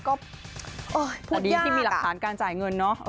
ก็พูดยากอ่ะตอนนี้ที่มีหลักฐานการจ่ายเงินนะ